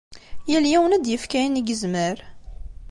Yal yiwen ad d-yefk ayen i yezmer.